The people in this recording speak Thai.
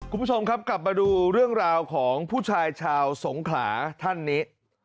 คุณผู้ชมครับกลับมาดูเรื่องราวของผู้ชายชาวสงขลาท่านนี้